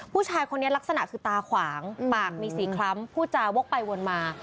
ผู้ชายคนนี้ลักษณะคือตาขวางปากมีสีคล้ำพูดจาวกไปวนมา